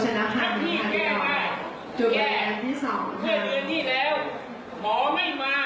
แล้วก็มองได้มาแล้วถามผมว่า